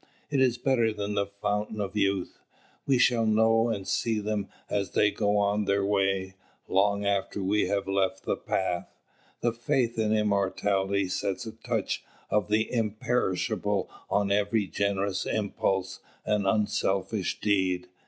It is better than the fountain of youth. We shall know and see them as they go on their way, long after we have left the path. The faith in immortality sets a touch of the imperishable on every generous impulse and unselfish deed.